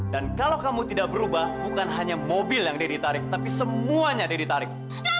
dan kalau kamu tidak berubah bukan hanya mobil yang dedy tarik tapi semuanya dedy tarik